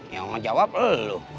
yang ngejawab lu